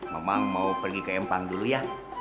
memang mau pergi ke empang dulu ya